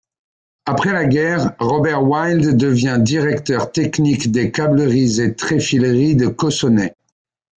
Après la guerre, Robert Wild devient directeur technique des Câbleries et Tréfileries de Cossonay.